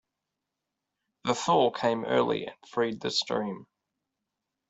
The thaw came early and freed the stream.